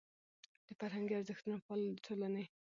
د فرهنګي ارزښتونو پالل د ټولنې د روحي روغتیا لپاره خورا ګټور دي.